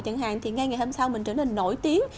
chẳng hạn thì ngay ngày hôm sau mình trở nên nổi tiếng